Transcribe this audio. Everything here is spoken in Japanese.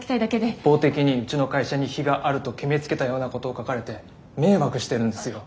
一方的にうちの会社に非があると決めつけたようなことを書かれて迷惑してるんですよ。